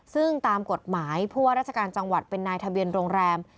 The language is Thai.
ซึ่งตามกฎหมายผู้ว่าราชการจังหวัดเป็นนายทะเบียนโรงแรม